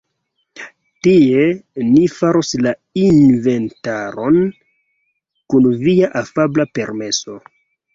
Tie, ni faros la inventaron, kun via afabla permeso.